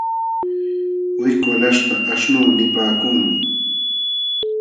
Wik walaśhta aśhnu nipaakunmi.